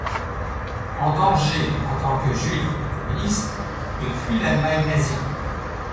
En danger en tant que juif et communiste, il fuit l'Allemagne nazie.